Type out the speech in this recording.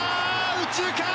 右中間！